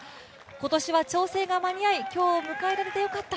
今年は調整が間に合い、今日を迎えられて良かった